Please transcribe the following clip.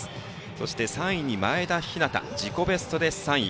そして３位に前田陽向自己ベストで３位。